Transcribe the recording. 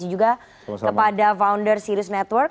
juga kepada founder sirus network